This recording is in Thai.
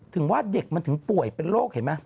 ถึงว่าเด็กมันถึงป่วยเป็นโรคเห็นไหม